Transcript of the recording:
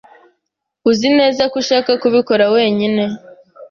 Uzi neza ko ushaka kubikora wenyine?